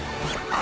あ